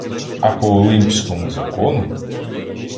І по олимпському закону